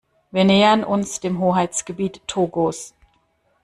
Wir nähern uns dem Hoheitsgebiet Togos.